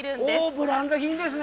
ブランド品ですね。